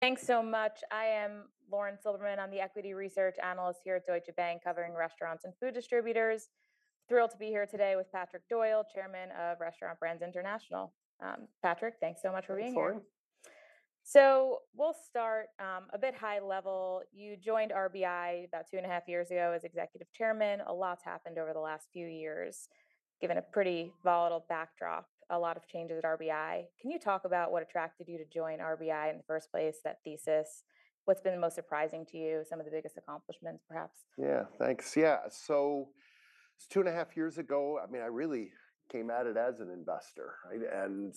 Thanks so much. I am Lauren Silberman, I'm the Equity Research Analyst here at Deutsche Bank, covering restaurants and food distributors. Thrilled to be here today with Patrick Doyle, Chairman of Restaurant Brands International. Patrick, thanks so much for being here. Sure. We'll start a bit high level. You joined RBI about two and a half years ago as Executive Chairman. A lot's happened over the last few years, given a pretty volatile backdrop, a lot of changes at RBI. Can you talk about what attracted you to join RBI in the first place, that thesis? What's been the most surprising to you, some of the biggest accomplishments, perhaps? Yeah, thanks. Yeah. Two and a half years ago, I mean, I really came at it as an investor, right, and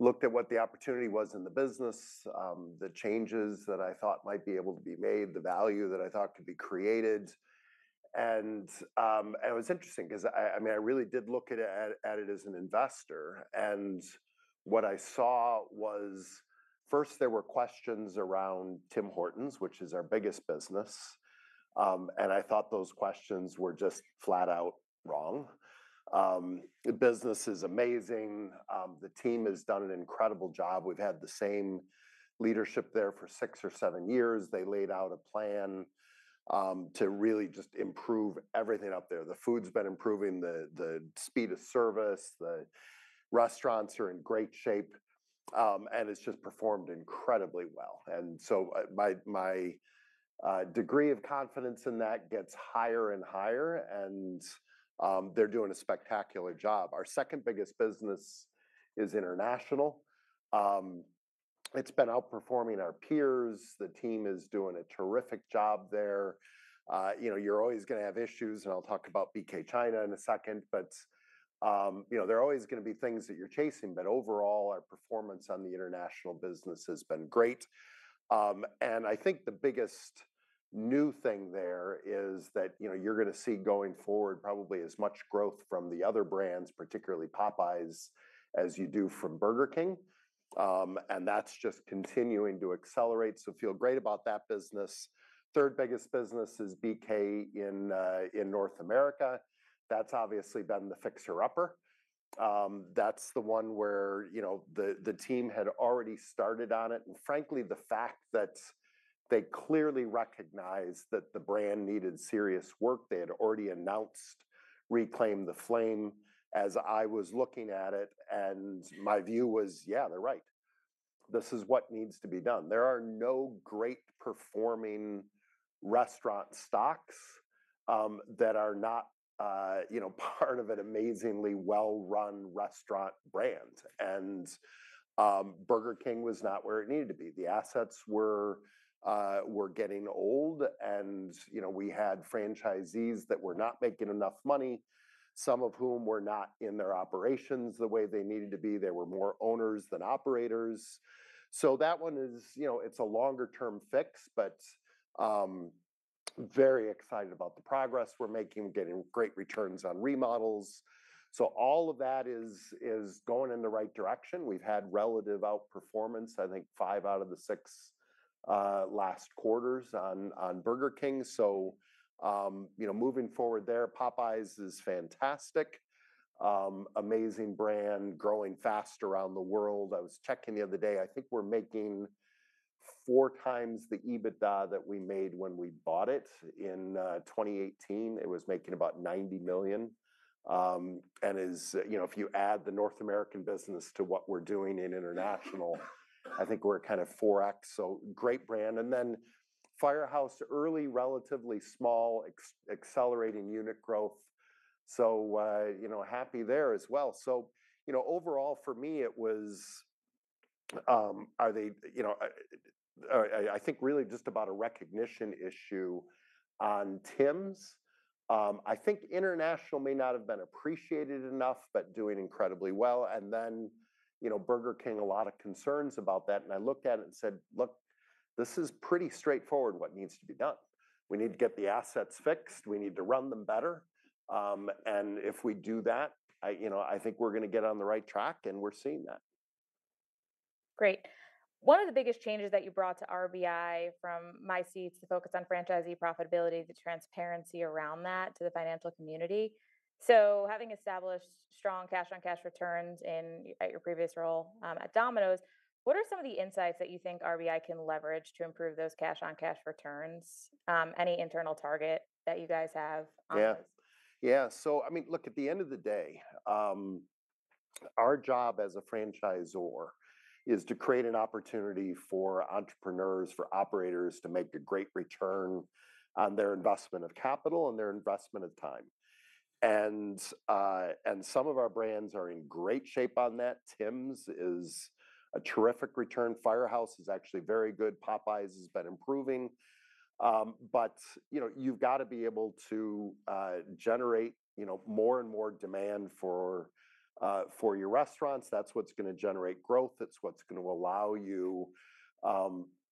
looked at what the opportunity was in the business, the changes that I thought might be able to be made, the value that I thought could be created. It was interesting because, I mean, I really did look at it as an investor. What I saw was, first, there were questions around Tim Hortons, which is our biggest business. I thought those questions were just flat out wrong. The business is amazing. The team has done an incredible job. We've had the same leadership there for six or seven years. They laid out a plan to really just improve everything up there. The food's been improving, the speed of service, the restaurants are in great shape, and it's just performed incredibly well. My degree of confidence in that gets higher and higher, and they're doing a spectacular job. Our second biggest business is international. It's been outperforming our peers. The team is doing a terrific job there. You know, you're always going to have issues, and I'll talk about BK China in a second, but, you know, there are always going to be things that you're chasing. Overall, our performance on the international business has been great. I think the biggest new thing there is that, you know, you're going to see going forward probably as much growth from the other brands, particularly Popeyes, as you do from Burger King. That's just continuing to accelerate. I feel great about that business. Third biggest business is BK in North America. That's obviously been the fixer-upper. That's the one where, you know, the team had already started on it. Frankly, the fact that they clearly recognized that the brand needed serious work, they had already announced "Reclaim the Flame". As I was looking at it, and my view was, yeah, they're right. This is what needs to be done. There are no great performing restaurant stocks that are not, you know, part of an amazingly well-run restaurant brand. Burger King was not where it needed to be. The assets were getting old. You know, we had franchisees that were not making enough money, some of whom were not in their operations the way they needed to be. There were more owners than operators. That one is, you know, it's a longer-term fix, but very excited about the progress we're making, getting great returns on remodels. All of that is going in the right direction. We've had relative outperformance, I think, five out of the six last quarters on Burger King. You know, moving forward there, Popeyes is fantastic. Amazing brand, growing fast around the world. I was checking the other day, I think we're making four times the EBITDA that we made when we bought it in 2018. It was making about $90 million. You know, if you add the North American business to what we're doing in international, I think we're kind of 4x. Great brand. And then, Firehouse, early, relatively small, accelerating unit growth. You know, happy there as well. Overall, for me, it was, you know, I think really just about a recognition issue on Tim's. I think international may not have been appreciated enough, but doing incredibly well. You know, Burger King, a lot of concerns about that. I looked at it and said, "Look, this is pretty straightforward, what needs to be done. We need to get the assets fixed. We need to run them better." If we do that, you know, I think we're going to get on the right track, and we're seeing that. Great. One of the biggest changes that you brought to RBI from my seat is a focus on franchisee profitability, the transparency around that to the financial community. Having established strong cash-on-cash returns in your previous role at Domino's, what are some of the insights that you think RBI can leverage to improve those cash-on-cash returns? Any internal target that you guys have? Yeah. Yeah. I mean, look, at the end of the day, our job as a franchisor is to create an opportunity for entrepreneurs, for operators to make a great return on their investment of capital and their investment of time. Some of our brands are in great shape on that. Tim's is a terrific return. Firehouse is actually very good. Popeyes has been improving. You know, you've got to be able to generate, you know, more and more demand for your restaurants. That's what's going to generate growth. It's what's going to allow you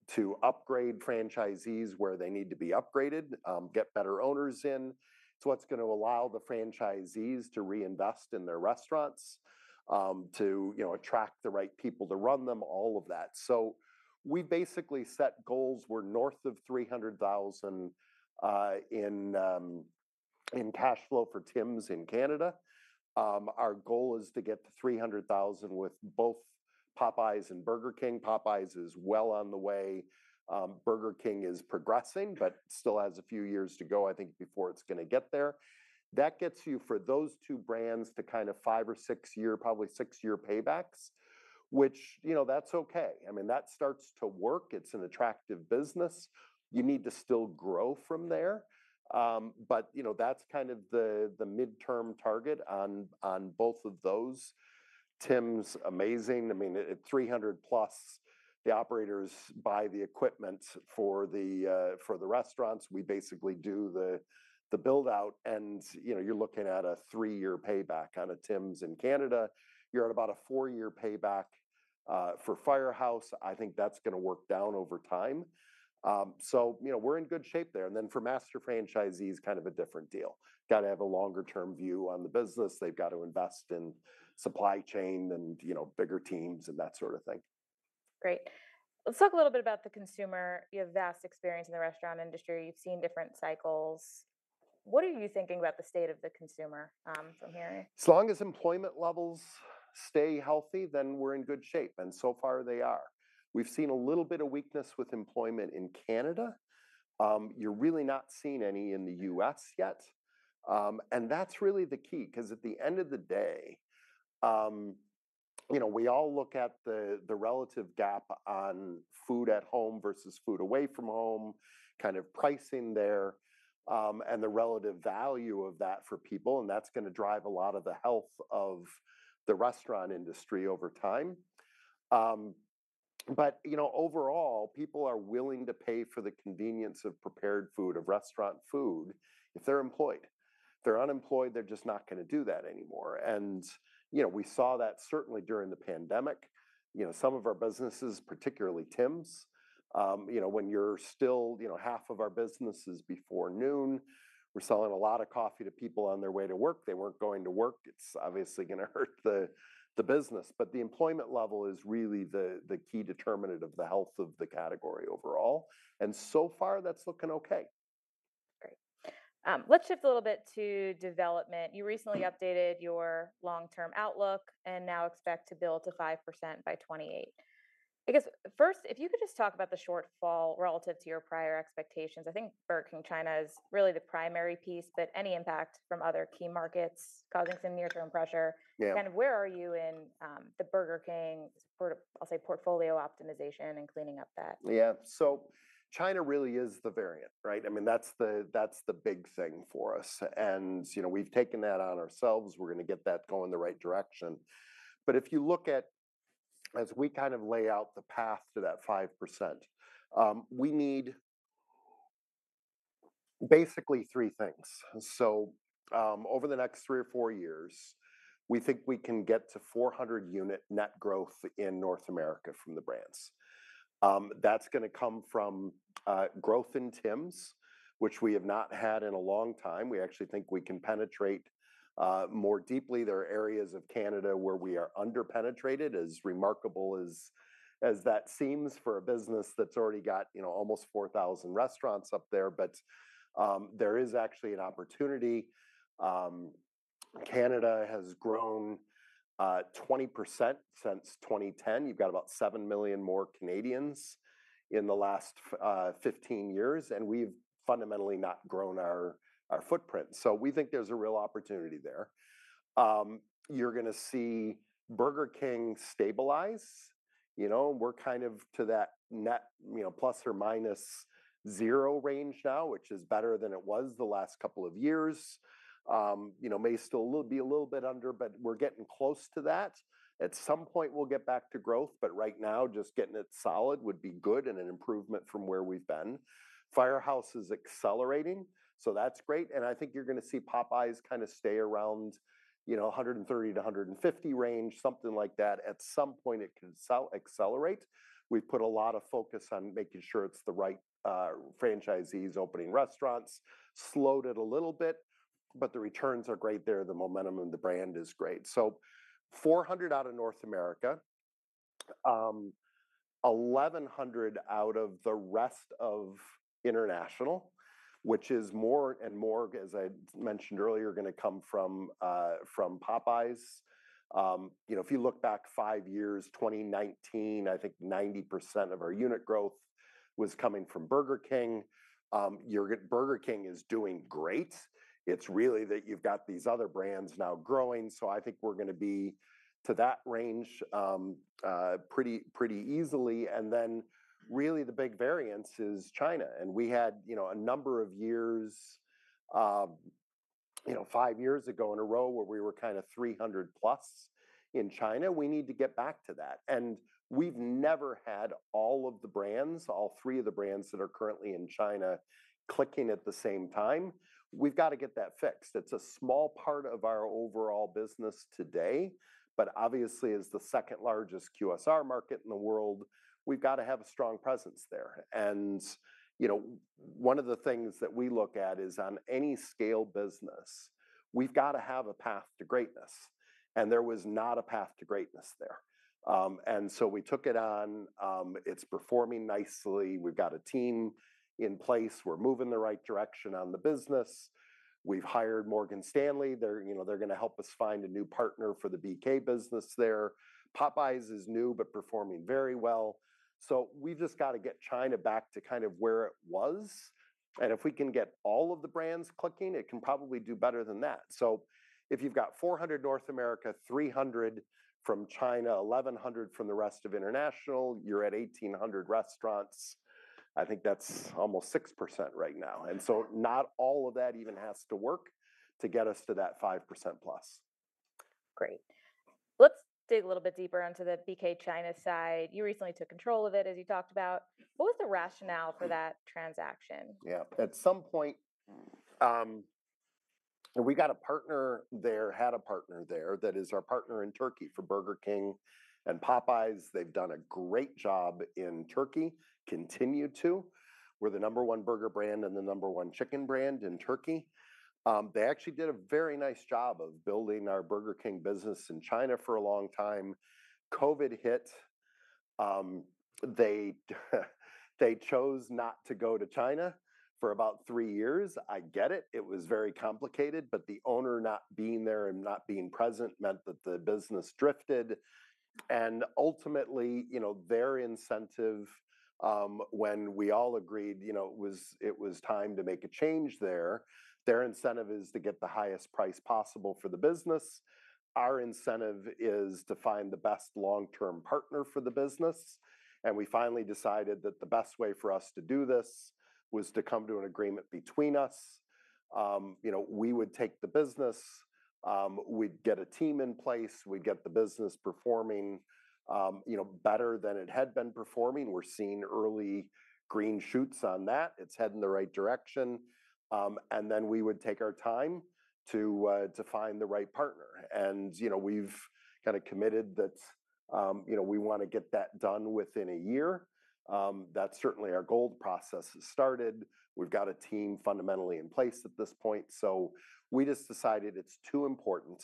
to upgrade franchisees where they need to be upgraded, get better owners in. It's what's going to allow the franchisees to reinvest in their restaurants, to, you know, attract the right people to run them, all of that. We basically set goals. We're north of $300,000 in cash flow for Tim's in Canada. Our goal is to get to $300,000 with both Popeyes and Burger King. Popeyes is well on the way. Burger King is progressing, but still has a few years to go, I think, before it's going to get there. That gets you, for those two brands, to kind of five- or six-year, probably six-year paybacks, which, you know, that's okay. I mean, that starts to work. It's an attractive business. You need to still grow from there. You know, that's kind of the midterm target on both of those. Tim's amazing. I mean, at $300,000+, the operators buy the equipment for the restaurants. We basically do the build-out. You know, you're looking at a three-year payback on a Tim's in Canada. You're at about a four-year payback for Firehouse. I think that's going to work down over time. You know, we're in good shape there. For master franchisees, kind of a different deal. Got to have a longer-term view on the business. They've got to invest in supply chain and, you know, bigger teams and that sort of thing. Great. Let's talk a little bit about the consumer. You have vast experience in the restaurant industry. You've seen different cycles. What are you thinking about the state of the consumer from here? As long as employment levels stay healthy, then we're in good shape. And so far they are. We've seen a little bit of weakness with employment in Canada. You're really not seeing any in the U.S. yet. That's really the key, because at the end of the day, you know, we all look at the relative gap on food at home versus food away from home, kind of pricing there, and the relative value of that for people. That's going to drive a lot of the health of the restaurant industry over time. But, you know, overall, people are willing to pay for the convenience of prepared food, of restaurant food, if they're employed. If they're unemployed, they're just not going to do that anymore. You know, we saw that certainly during the pandemic. You know, some of our businesses, particularly Tim's, you know, when you're still, you know, half of our business is before noon, we're selling a lot of coffee to people on their way to work. They weren't going to work. It's obviously going to hurt the business. The employment level is really the key determinant of the health of the category overall. And so far, that's looking okay. Great. Let's shift a little bit to development. You recently updated your long-term outlook and now expect to build to 5% by 2028. I guess, first, if you could just talk about the shortfall relative to your prior expectations. I think Burger King China is really the primary piece, but any impact from other key markets causing some near-term pressure. Kind of where are you in the Burger King, I'll say, portfolio optimization and cleaning up that? Yeah. China really is the variant, right? I mean, that's the big thing for us. And, you know, we've taken that on ourselves. We're going to get that going the right direction. If you look at, as we kind of lay out the path to that 5%, we need basically three things. Over the next three or four years, we think we can get to 400-unit net growth in North America from the brands. That's going to come from growth in Tim's, which we have not had in a long time. We actually think we can penetrate more deeply. There are areas of Canada where we are underpenetrated, as remarkable as that seems for a business that's already got, you know, almost 4,000 restaurants up there. There is actually an opportunity. Canada has grown 20% since 2010. You've got about seven million more Canadians in the last 15 years. And we've fundamentally not grown our footprint. We think there's a real opportunity there. You're going to see Burger King stabilize. You know, we're kind of to that net, you know, plus or minus zero range now, which is better than it was the last couple of years. You know, may still be a little bit under, but we're getting close to that. At some point, we'll get back to growth. Right now, just getting it solid would be good and an improvement from where we've been. Firehouse is accelerating. That's great. I think you're going to see Popeyes kind of stay around, you know, 130-150 range, something like that. At some point, it can accelerate. We've put a lot of focus on making sure it's the right franchisees opening restaurants. Slowed it a little bit, but the returns are great there. The momentum of the brand is great. Four hundred out of North America, 1,100 out of the rest of international, which is more and more, as I mentioned earlier, going to come from Popeyes. You know, if you look back five years, 2019, I think 90% of our unit growth was coming from Burger King. Burger King is doing great. It is really that you have got these other brands now growing. I think we are going to be to that range pretty easily. The big variance is China. We had a number of years, five years ago in a row where we were kind of 300+ in China. We need to get back to that. We've never had all of the brands, all three of the brands that are currently in China, clicking at the same time. We've got to get that fixed. It's a small part of our overall business today. Obviously, as the second largest QSR market in the world, we've got to have a strong presence there. You know, one of the things that we look at is on any scale business, we've got to have a path to greatness. There was not a path to greatness there. We took it on. It's performing nicely. We've got a team in place. We're moving the right direction on the business. We've hired Morgan Stanley. They're going to help us find a new partner for the BK business there. Popeyes is new, but performing very well. We have just got to get China back to kind of where it was. If we can get all of the brands clicking, it can probably do better than that. If you have 400 North America, 300 from China, 1,100 from the rest of international, you are at 1,800 restaurants. I think that is almost 6% right now. Not all of that even has to work to get us to that 5%+. Great. Let's dig a little bit deeper onto the BK China side. You recently took control of it, as you talked about. What was the rationale for that transaction? Yeah. At some point, we got a partner there, had a partner there that is our partner in Turkey for Burger King and Popeyes. They've done a great job in Turkey, continue to. We're the number one burger brand and the number one chicken brand in Turkey. They actually did a very nice job of building our Burger King business in China for a long time. COVID hit. They chose not to go to China for about three years. I get it. It was very complicated. The owner not being there and not being present meant that the business drifted. Ultimately, you know, their incentive, when we all agreed, you know, it was time to make a change there. Their incentive is to get the highest price possible for the business. Our incentive is to find the best long-term partner for the business. We finally decided that the best way for us to do this was to come to an agreement between us. You know, we would take the business, we'd get a team in place, we'd get the business performing, you know, better than it had been performing. We're seeing early green shoots on that. It's heading the right direction. We would take our time to find the right partner. You know, we've kind of committed that, you know, we want to get that done within a year. That's certainly our goal. Process has started. We've got a team fundamentally in place at this point. We just decided it's too important.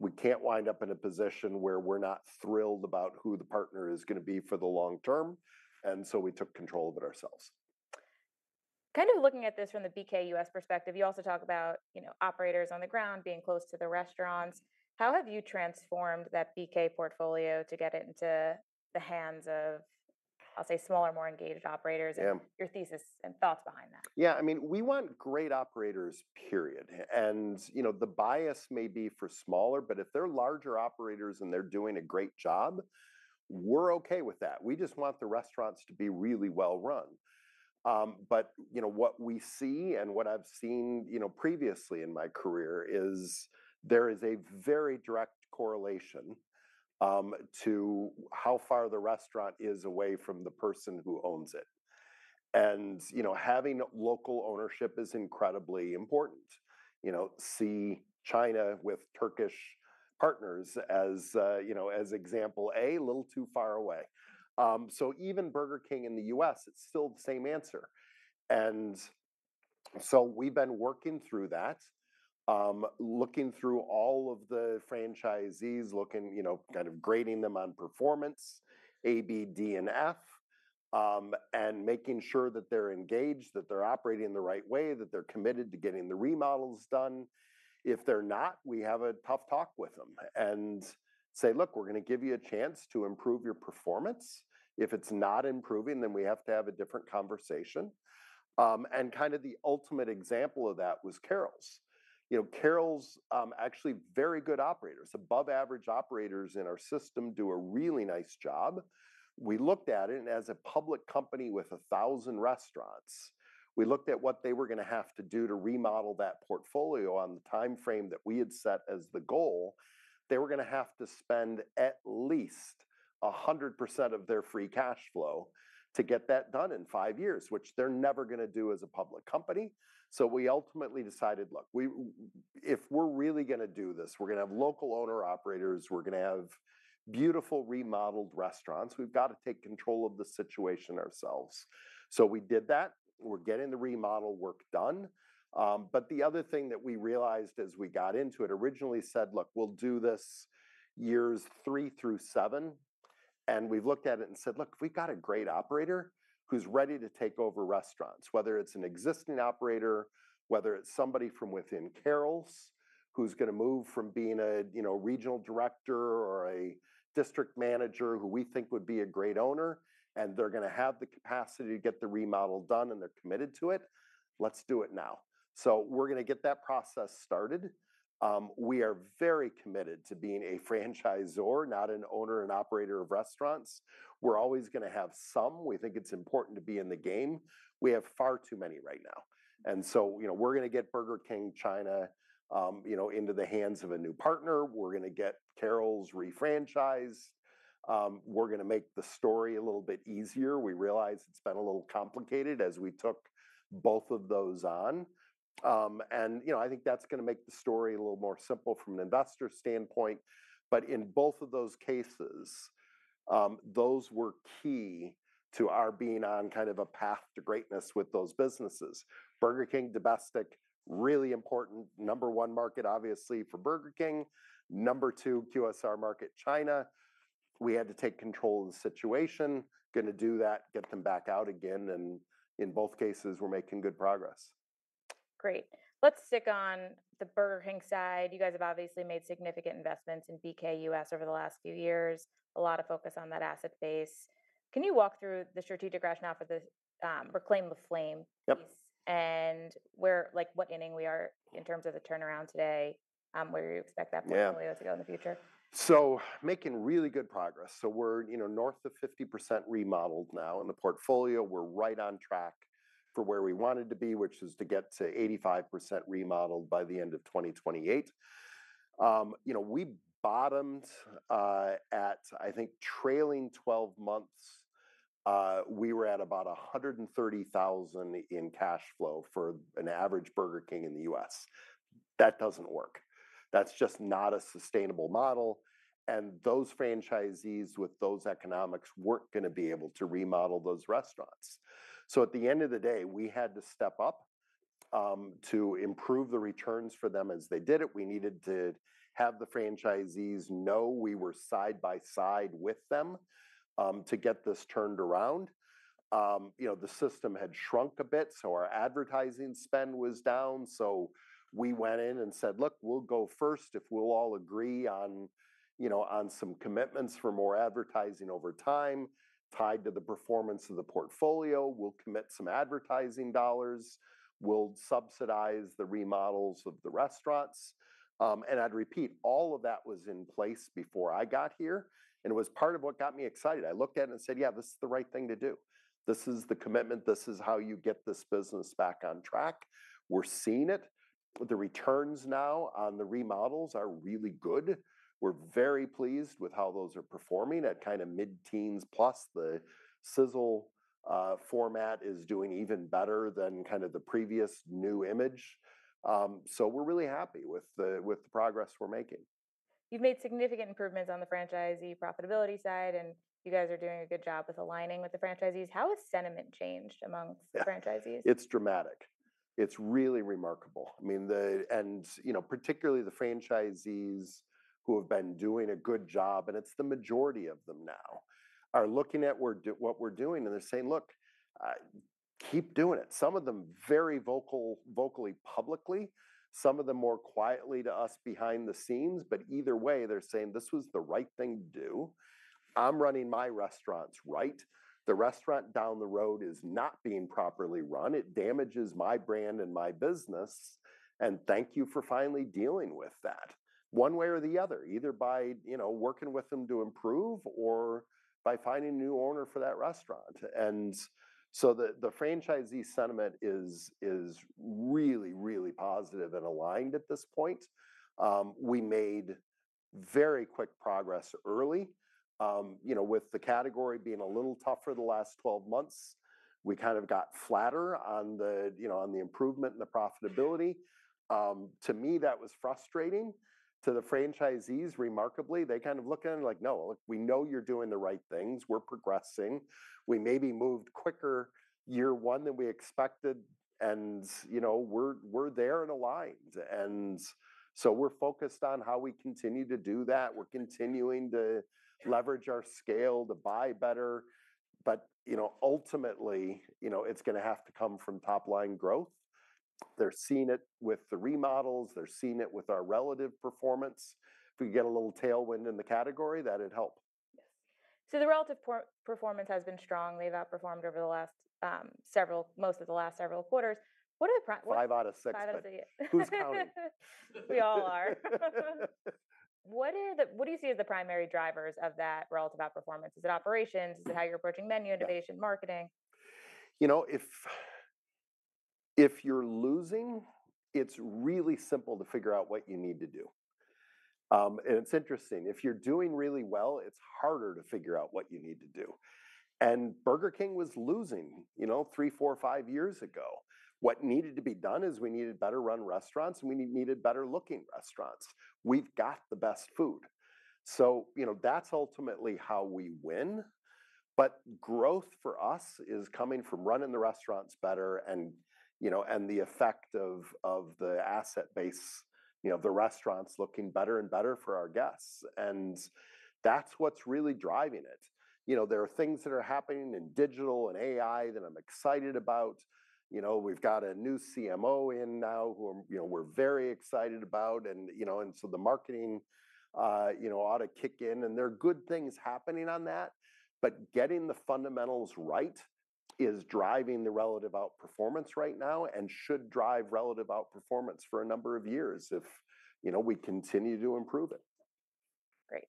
We can't wind up in a position where we're not thrilled about who the partner is going to be for the long term. We took control of it ourselves. Kind of looking at this from the BK U.S. perspective, you also talk about, you know, operators on the ground being close to the restaurants. How have you transformed that BK portfolio to get it into the hands of, I'll say, smaller, more engaged operators? Your thesis and thoughts behind that? Yeah. I mean, we want great operators, period. You know, the bias may be for smaller, but if they're larger operators and they're doing a great job, we're okay with that. We just want the restaurants to be really well-run. You know, what we see and what I've seen, you know, previously in my career is there is a very direct correlation to how far the restaurant is away from the person who owns it. You know, having local ownership is incredibly important. You know, see China with Turkish partners as, you know, as example A, a little too far away. Even Burger King in the U.S., it's still the same answer. We have been working through that, looking through all of the franchisees, looking, you know, kind of grading them on performance, A, B, D, and F, and making sure that they're engaged, that they're operating the right way, that they're committed to getting the remodels done. If they're not, we have a tough talk with them and say, "Look, we're going to give you a chance to improve your performance. If it's not improving, then we have to have a different conversation." Kind of the ultimate example of that was Carrols. You know, Carrols actually very good operators, above-average operators in our system, do a really nice job. We looked at it, and as a public company with 1,000 restaurants, we looked at what they were going to have to do to remodel that portfolio on the time frame that we had set as the goal. They were going to have to spend at least 100% of their free cash flow to get that done in five years, which they're never going to do as a public company. We ultimately decided, "Look, if we're really going to do this, we're going to have local owner-operators. We're going to have beautiful remodeled restaurants. We've got to take control of the situation ourselves." We did that. We're getting the remodel work done. The other thing that we realized as we got into it, originally said, "Look, we'll do this years three through seven." We looked at it and said, "Look, we've got a great operator who's ready to take over restaurants, whether it's an existing operator, whether it's somebody from within Carrols who's going to move from being a, you know, regional director or a district manager who we think would be a great owner, and they're going to have the capacity to get the remodel done and they're committed to it. Let's do it now." We are going to get that process started. We are very committed to being a franchisor, not an owner and operator of restaurants. We're always going to have some. We think it's important to be in the game. We have far too many right now. You know, we're going to get Burger King China, you know, into the hands of a new partner. We're going to get Carrols refranchised. We're going to make the story a little bit easier. We realized it's been a little complicated as we took both of those on. You know, I think that's going to make the story a little more simple from an investor standpoint. In both of those cases, those were key to our being on kind of a path to greatness with those businesses. Burger King, domestic, really important, number one market, obviously, for Burger King. Number two QSR market, China. We had to take control of the situation. Going to do that, get them back out again. In both cases, we're making good progress. Great. Let's stick on the Burger King side. You guys have obviously made significant investments in BK U.S. over the last few years, a lot of focus on that asset base. Can you walk through the strategic rationale for the "Reclaim the Flame" piece and where, like, what ending we are in terms of the turnaround today, where you expect that portfolio to go in the future? Yeah. So making really good progress. So we're, you know, north of 50% remodeled now in the portfolio. We're right on track for where we wanted to be, which is to get to 85% remodeled by the end of 2028. You know, we bottomed at, I think, trailing 12 months, we were at about $130,000 in cash flow for an average Burger King in the U.S. That doesn't work. That's just not a sustainable model. And those franchisees with those economics weren't going to be able to remodel those restaurants. At the end of the day, we had to step up to improve the returns for them as they did it. We needed to have the franchisees know we were side by side with them to get this turned around. You know, the system had shrunk a bit. So our advertising spend was down. We went in and said, "Look, we'll go first if we'll all agree on, you know, on some commitments for more advertising over time tied to the performance of the portfolio. We'll commit some advertising dollars. We'll subsidize the remodels of the restaurants." I'd repeat, all of that was in place before I got here. It was part of what got me excited. I looked at it and said, "Yeah, this is the right thing to do. This is the commitment. This is how you get this business back on track." We're seeing it. The returns now on the remodels are really good. We're very pleased with how those are performing at kind of mid-teens plus the sizzle format is doing even better than the previous new image. We're really happy with the progress we're making. You've made significant improvements on the franchisee profitability side, and you guys are doing a good job with aligning with the franchisees. How has sentiment changed amongst the franchisees? It's dramatic. It's really remarkable. I mean, the, and, you know, particularly the franchisees who have been doing a good job, and it's the majority of them now, are looking at what we're doing, and they're saying, "Look, keep doing it." Some of them very vocally publicly, some of them more quietly to us behind the scenes, but either way, they're saying, "This was the right thing to do. I'm running my restaurants right. The restaurant down the road is not being properly run. It damages my brand and my business. And thank you for finally dealing with that one way or the other, either by, you know, working with them to improve or by finding a new owner for that restaurant." The franchisee sentiment is really, really positive and aligned at this point. We made very quick progress early, you know, with the category being a little tougher the last 12 months. We kind of got flatter on the, you know, on the improvement and the profitability. To me, that was frustrating to the franchisees, remarkably. They kind of look at it like, "No, look, we know you're doing the right things. We're progressing. We may be moved quicker year one than we expected. And, you know, we're there and aligned." We are focused on how we continue to do that. We're continuing to leverage our scale to buy better. You know, ultimately, you know, it's going to have to come from top-line growth. They're seeing it with the remodels. They're seeing it with our relative performance. If we could get a little tailwind in the category, that'd help. The relative performance has been strong. They've outperformed over the last several, most of the last several quarters. What are the. Five out of six. Five out of six. Who's counting? We all are. What do you see as the primary drivers of that relative outperformance? Is it operations? Is it how you're approaching menu innovation, marketing? You know, if you're losing, it's really simple to figure out what you need to do. And it's interesting. If you're doing really well, it's harder to figure out what you need to do. And Burger King was losing, you know, three, four, five years ago. What needed to be done is we needed better-run restaurants, and we needed better-looking restaurants. We've got the best food. So, you know, that's ultimately how we win. But growth for us is coming from running the restaurants better and, you know, and the effect of the asset base, you know, the restaurants looking better and better for our guests. And that's what's really driving it. You know, there are things that are happening in digital and AI that I'm excited about. You know, we've got a new CMO in now who, you know, we're very excited about. You know, the marketing, you know, ought to kick in. There are good things happening on that. Getting the fundamentals right is driving the relative outperformance right now and should drive relative outperformance for a number of years if, you know, we continue to improve it. Great.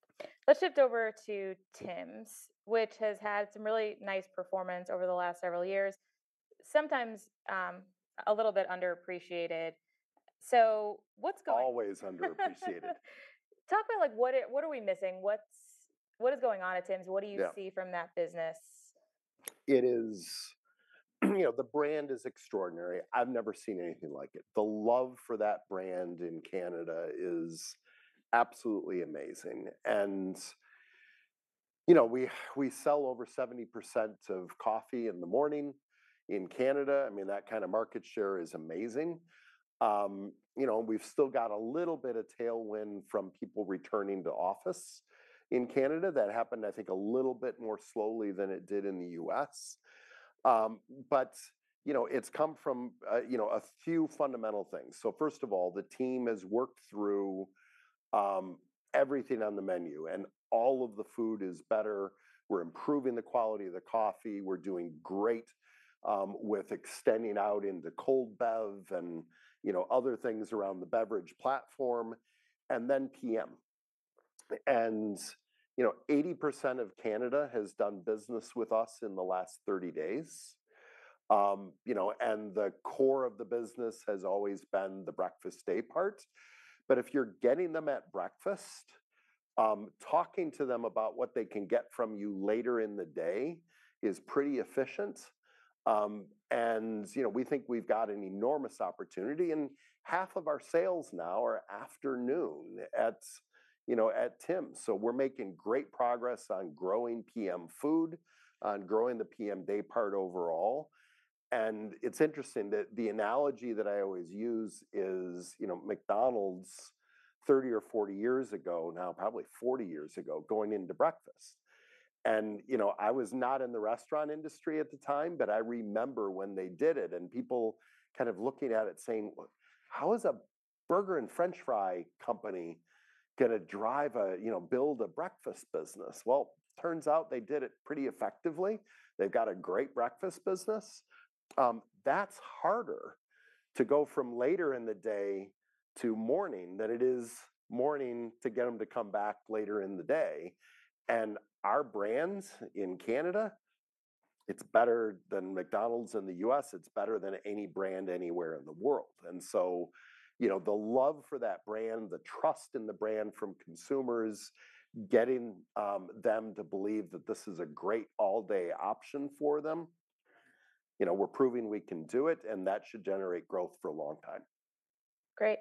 Let's shift over to Tim's, which has had some really nice performance over the last several years, sometimes a little bit underappreciated. What's going on? Always underappreciated. Talk about, like, what are we missing? What's going on at Tim's? What do you see from that business? It is, you know, the brand is extraordinary. I've never seen anything like it. The love for that brand in Canada is absolutely amazing. You know, we sell over 70% of coffee in the morning in Canada. I mean, that kind of market share is amazing. You know, we've still got a little bit of tailwind from people returning to office in Canada. That happened, I think, a little bit more slowly than it did in the U.S. You know, it's come from, you know, a few fundamental things. First of all, the team has worked through everything on the menu, and all of the food is better. We're improving the quality of the coffee. We're doing great with extending out into cold bev and, you know, other things around the beverage platform. And then PM. You know, 80% of Canada has done business with us in the last 30 days. You know, the core of the business has always been the breakfast day part. If you're getting them at breakfast, talking to them about what they can get from you later in the day is pretty efficient. You know, we think we've got an enormous opportunity. Half of our sales now are afternoon at, you know, at Tim's. We are making great progress on growing PM food, on growing the PM day part overall. It's interesting that the analogy that I always use is, you know, McDonald's 30 or 40 years ago, now probably 40 years ago, going into breakfast. You know, I was not in the restaurant industry at the time, but I remember when they did it and people kind of looking at it saying, "How is a burger and french fry company going to drive a, you know, build-a-breakfast business?" It turns out they did it pretty effectively. They've got a great breakfast business. That's harder to go from later in the day to morning than it is morning to get them to come back later in the day. Our brands in Canada, it's better than McDonald's in the U.S. It's better than any brand anywhere in the world. You know, the love for that brand, the trust in the brand from consumers, getting them to believe that this is a great all-day option for them, you know, we're proving we can do it, and that should generate growth for a long time. Great.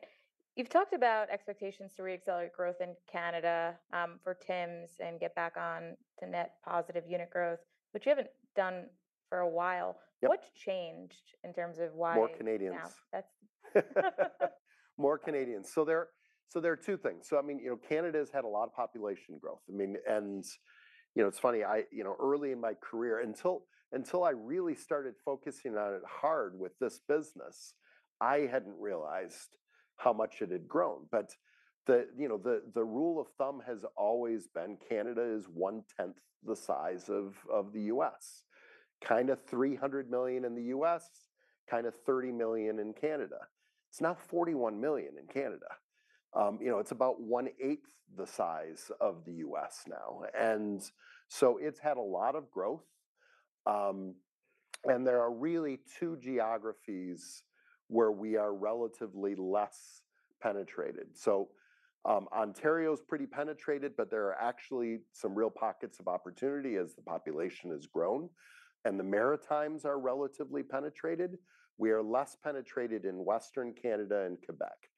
You've talked about expectations to re-accelerate growth in Canada for Tim's and get back on to net positive unit growth, which you haven't done for a while. What's changed in terms of why? More Canadians. More Canadians. There are two things. I mean, you know, Canada has had a lot of population growth. I mean, and, you know, it's funny, I, you know, early in my career, until I really started focusing on it hard with this business, I hadn't realized how much it had grown. The rule of thumb has always been Canada is one-tenth the size of the U.S., kind of 300 million in the U.S., kind of 30 million in Canada. It's now 41 million in Canada. It's about one-eighth the size of the U.S. now. It's had a lot of growth. There are really two geographies where we are relatively less penetrated. Ontario is pretty penetrated, but there are actually some real pockets of opportunity as the population has grown. The Maritimes are relatively penetrated. We are less penetrated in Western Canada and Quebec.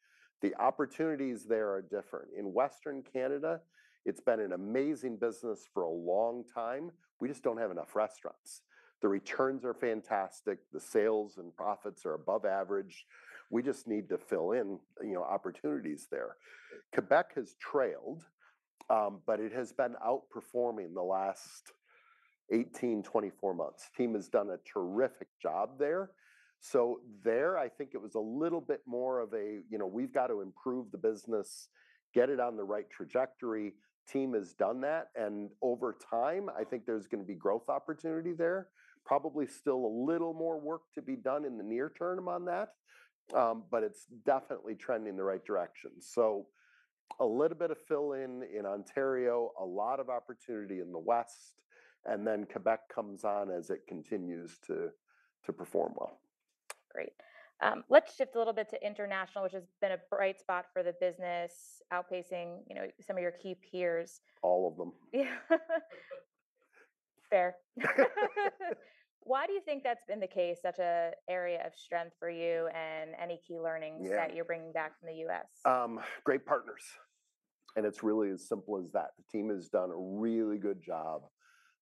The opportunities there are different. In Western Canada, it's been an amazing business for a long time. We just do not have enough restaurants. The returns are fantastic. The sales and profits are above average. We just need to fill in, you know, opportunities there. Quebec has trailed, but it has been outperforming the last 18-24 months. Tim has done a terrific job there. There, I think it was a little bit more of a, you know, we have got to improve the business, get it on the right trajectory. Tim has done that. Over time, I think there is going to be growth opportunity there. Probably still a little more work to be done in the near term on that. It is definitely trending the right direction. A little bit of fill-in in Ontario, a lot of opportunity in the west. And then Quebec comes on as it continues to perform well. Great. Let's shift a little bit to international, which has been a bright spot for the business, outpacing, you know, some of your key peers. All of them. Yeah. Fair. Why do you think that's been the case, such an area of strength for you, and any key learnings that you're bringing back from the U.S.? Great partners. And it's really as simple as that. The team has done a really good job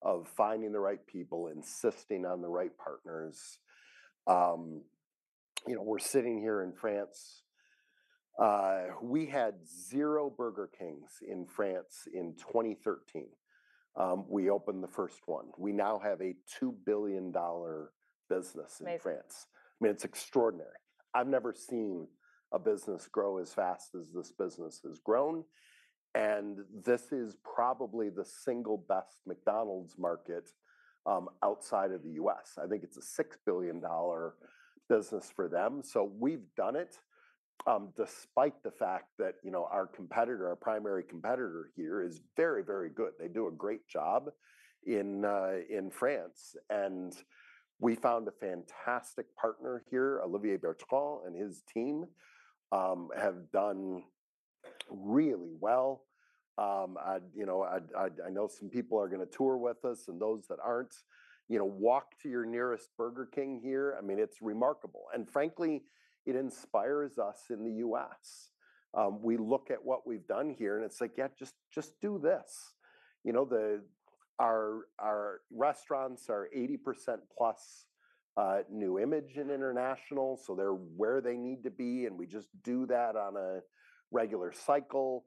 of finding the right people, insisting on the right partners. You know, we're sitting here in France. We had zero Burger Kings in France in 2013. We opened the first one. We now have a $2 billion business in France. I mean, it's extraordinary. I've never seen a business grow as fast as this business has grown. And this is probably the single best McDonald's market outside of the U.S. I think it's a $6 billion business for them. So we've done it despite the fact that, you know, our competitor, our primary competitor here is very, very good. They do a great job in France. And we found a fantastic partner here. Olivier Bertrand and his team have done really well. You know, I know some people are going to tour with us, and those that aren't, you know, walk to your nearest Burger King here. I mean, it's remarkable. Frankly, it inspires us in the U.S. We look at what we've done here, and it's like, yeah, just do this. You know, our restaurants are 80% plus new image and international, so they're where they need to be. We just do that on a regular cycle.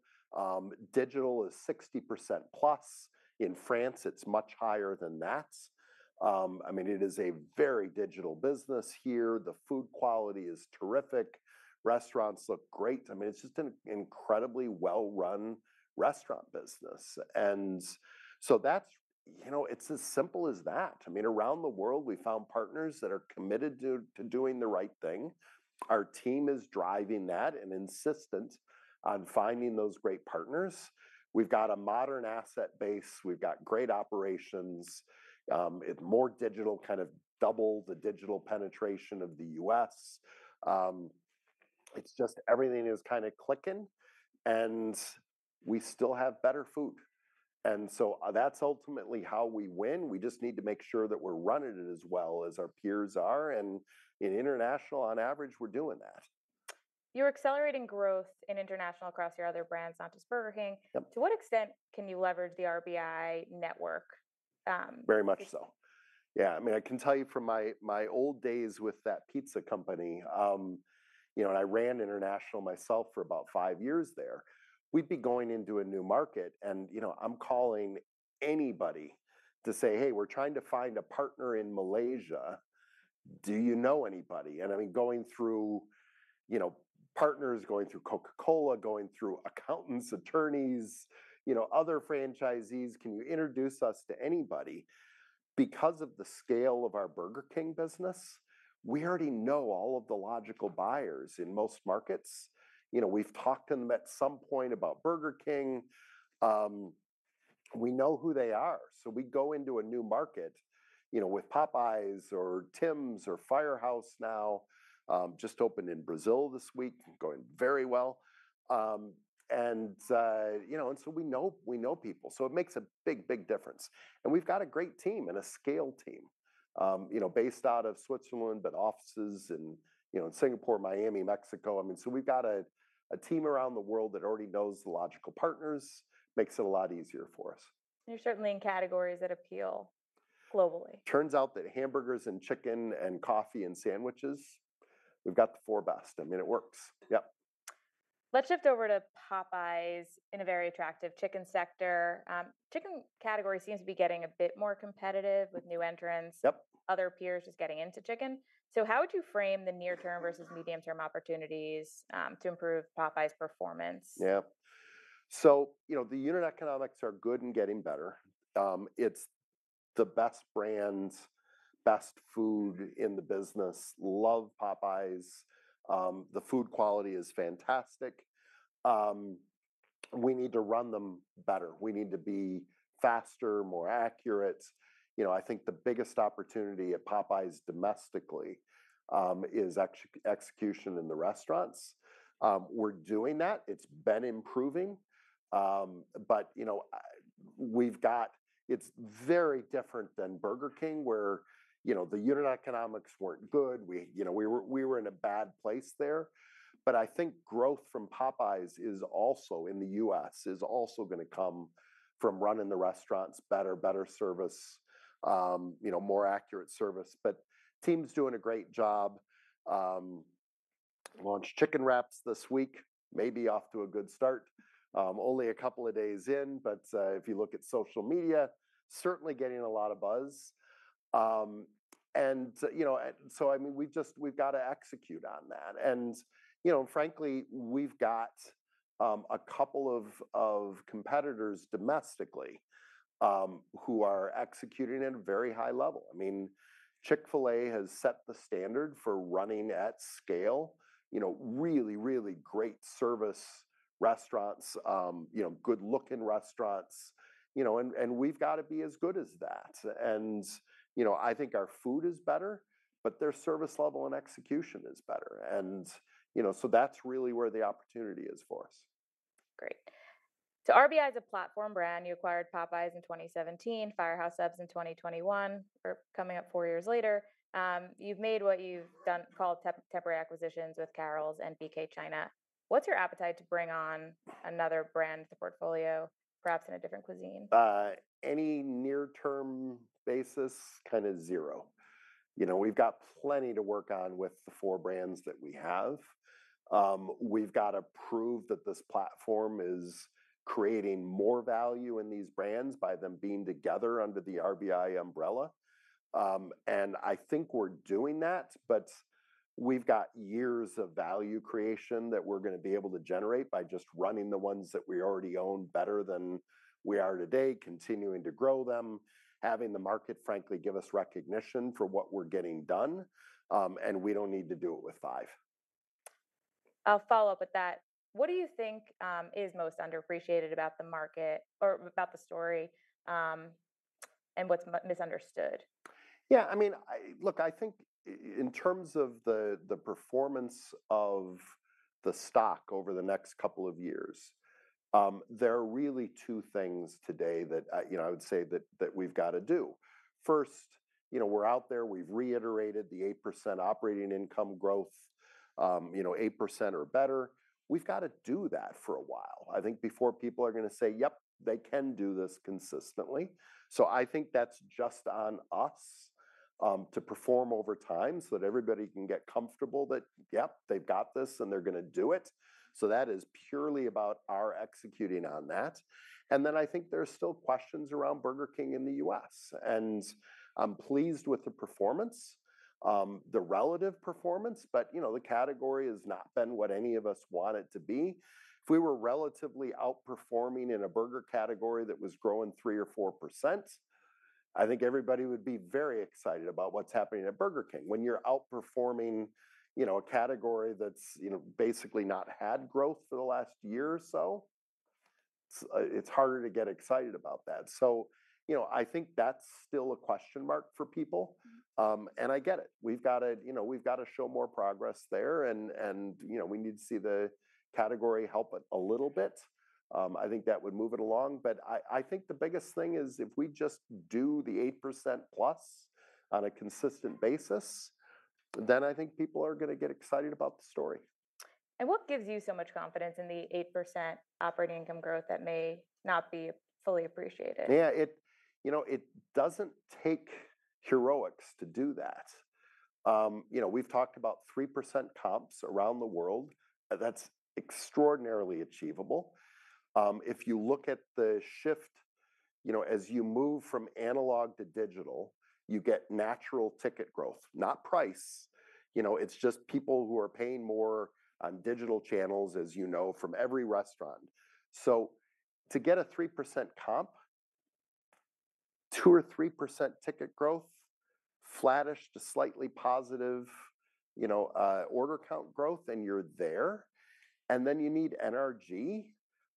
Digital is 60% plus. In France, it's much higher than that. I mean, it is a very digital business here. The food quality is terrific. Restaurants look great. I mean, it's just an incredibly well-run restaurant business. That's, you know, it's as simple as that. I mean, around the world, we found partners that are committed to doing the right thing. Our team is driving that and insistent on finding those great partners. We've got a modern asset base. We've got great operations. More digital kind of doubled the digital penetration of the U.S. It's just everything is kind of clicking. We still have better food. That is ultimately how we win. We just need to make sure that we're running it as well as our peers are. In international, on average, we're doing that. You're accelerating growth in international across your other brands, not just Burger King. To what extent can you leverage the RBI network? Very much so. Yeah. I mean, I can tell you from my old days with that pizza company, you know, and I ran international myself for about five years there. We'd be going into a new market. You know, I'm calling anybody to say, "Hey, we're trying to find a partner in Malaysia. Do you know anybody?" I mean, going through partners, going through Coca-Cola, going through accountants, attorneys, you know, other franchisees, can you introduce us to anybody? Because of the scale of our Burger King business, we already know all of the logical buyers in most markets. You know, we've talked to them at some point about Burger King. We know who they are. We go into a new market, you know, with Popeyes or Tim's or Firehouse now, just opened in Brazil this week, going very well. You know, and so we know people. It makes a big, big difference. We've got a great team and a scale team, you know, based out of Switzerland, but offices in, you know, Singapore, Miami, Mexico. I mean, we've got a team around the world that already knows the logical partners, makes it a lot easier for us. You're certainly in categories that appeal globally. Turns out that hamburgers and chicken and coffee and sandwiches, we've got the four best. I mean, it works. Yep. Let's shift over to Popeyes in a very attractive chicken sector. Chicken category seems to be getting a bit more competitive with new entrants, other peers just getting into chicken. How would you frame the near-term versus medium-term opportunities to improve Popeyes' performance? Yeah. So, you know, the unit economics are good and getting better. It's the best brands, best food in the business. Love Popeyes. The food quality is fantastic. We need to run them better. We need to be faster, more accurate. You know, I think the biggest opportunity at Popeyes domestically is execution in the restaurants. We're doing that. It's been improving. You know, we've got it's very different than Burger King, where, you know, the unit economics weren't good. We were in a bad place there. I think growth from Popeyes is also in the U.S. is also going to come from running the restaurants better, better service, you know, more accurate service. Tim's doing a great job. Launched chicken wraps this week, maybe off to a good start, only a couple of days in. If you look at social media, certainly getting a lot of buzz. And, you know, so I mean, we've just we've got to execute on that. And, you know, frankly, we've got a couple of competitors domestically who are executing at a very high level. I mean, Chick-fil-A has set the standard for running at scale, you know, really, really great service restaurants, you know, good-looking restaurants, you know, and we've got to be as good as that. And, you know, I think our food is better, but their service level and execution is better. And, you know, so that's really where the opportunity is for us. Great. RBI is a platform brand. You acquired Popeyes in 2017, Firehouse Subs in 2021, or coming up four years later. You've made what you've done called temporary acquisitions with Carrols and BK China. What's your appetite to bring on another brand to the portfolio, perhaps in a different cuisine? Any near-term basis, kind of zero. You know, we've got plenty to work on with the four brands that we have. We've got to prove that this platform is creating more value in these brands by them being together under the RBI umbrella. I think we're doing that, but we've got years of value creation that we're going to be able to generate by just running the ones that we already own better than we are today, continuing to grow them, having the market, frankly, give us recognition for what we're getting done. We don't need to do it with five. I'll follow up with that. What do you think is most underappreciated about the market or about the story, and what's misunderstood? Yeah. I mean, look, I think in terms of the performance of the stock over the next couple of years, there are really two things today that, you know, I would say that we've got to do. First, you know, we're out there. We've reiterated the 8% operating income growth, you know, 8% or better. We've got to do that for a while, I think, before people are going to say, "Yep, they can do this consistently." I think that's just on us to perform over time so that everybody can get comfortable that, yep, they've got this and they're going to do it. That is purely about our executing on that. I think there are still questions around Burger King in the U.S. I'm pleased with the performance, the relative performance, but, you know, the category has not been what any of us want it to be. If we were relatively outperforming in a burger category that was growing 3% or 4%, I think everybody would be very excited about what's happening at Burger King. When you're outperforming, you know, a category that's, you know, basically not had growth for the last year or so, it's harder to get excited about that. You know, I think that's still a question mark for people. I get it. We've got to, you know, we've got to show more progress there. You know, we need to see the category help a little bit. I think that would move it along. I think the biggest thing is if we just do the 8% plus on a consistent basis, then I think people are going to get excited about the story. What gives you so much confidence in the 8% operating income growth that may not be fully appreciated? Yeah. You know, it doesn't take heroics to do that. You know, we've talked about 3% comps around the world. That's extraordinarily achievable. If you look at the shift, you know, as you move from analog to digital, you get natural ticket growth, not price. You know, it's just people who are paying more on digital channels, as you know, from every restaurant. To get a 3% comp, 2%-3% ticket growth, flattish to slightly positive, you know, order count growth, and you're there. You need energy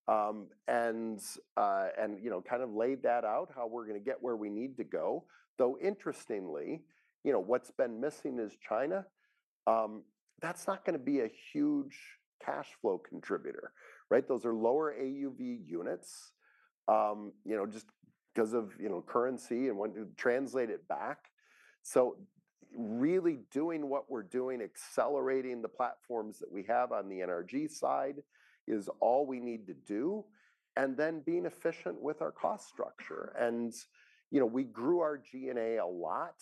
and, you know, kind of laid that out, how we're going to get where we need to go. Though interestingly, you know, what's been missing is China. That's not going to be a huge cash flow contributor, right? Those are lower AUV units, you know, just because of, you know, currency and when to translate it back. Really doing what we're doing, accelerating the platforms that we have on the NRG side is all we need to do. Then being efficient with our cost structure. You know, we grew our G&A a lot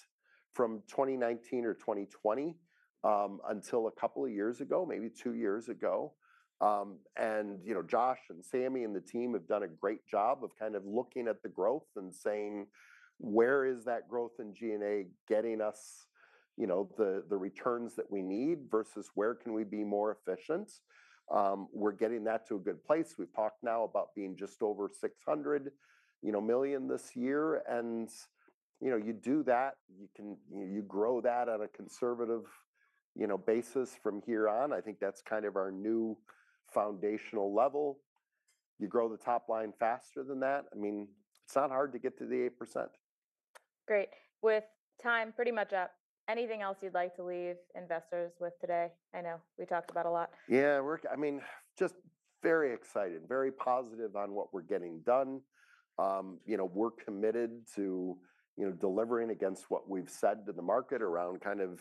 from 2019 or 2020 until a couple of years ago, maybe two years ago. You know, Josh and Sami and the team have done a great job of kind of looking at the growth and saying, "Where is that growth in G&A getting us, you know, the returns that we need versus where can we be more efficient?" We're getting that to a good place. We've talked now about being just over $600 million this year. You know, you do that, you can grow that on a conservative, you know, basis from here on. I think that's kind of our new foundational level. You grow the top line faster than that. I mean, it's not hard to get to the 8%. Great. With time pretty much up, anything else you'd like to leave investors with today? I know we talked about a lot. Yeah. I mean, just very excited, very positive on what we're getting done. You know, we're committed to, you know, delivering against what we've said to the market around kind of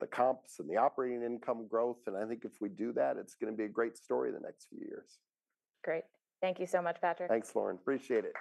the comps and the operating income growth. I think if we do that, it's going to be a great story the next few years. Great. Thank you so much, Patrick. Thanks, Lauren. Appreciate it.